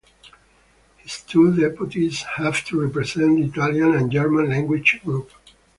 His two deputies have to represent the Italian and German language group.